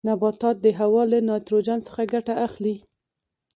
نباتات د هوا له نایتروجن څخه ګټه اخلي.